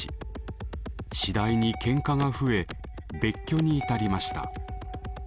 次第にケンカが増え別居に至りました。